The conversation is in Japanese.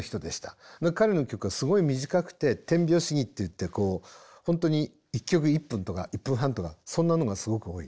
彼の曲はすごい短くて点描主義っていってこう本当に１曲１分とか１分半とかそんなのがすごく多い。